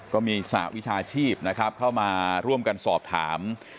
ก็มีสหวิชาชีพนะครับเข้ามาร่วมกันสอบถาม